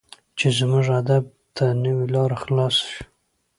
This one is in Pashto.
چې زموږ ادب ته نوې لار خلاصه شي.